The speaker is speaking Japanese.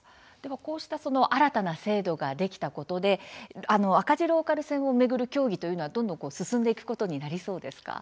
こうした新たな制度ができたことで赤字ローカル線を巡る協議というのは進んでいくことになりそうですか。